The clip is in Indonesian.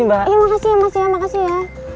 makasih ya makasih ya